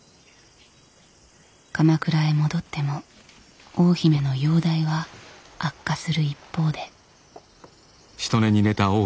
鎌倉へ戻っても大姫の容体は悪化する一方で。